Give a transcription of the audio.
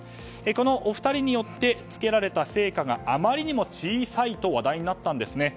このお二人によってつけられた聖火があまりにも小さいと話題になったんです。